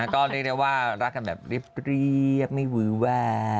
ก็เรียกได้ว่ารักกันแบบเรียบไม่วื้อแว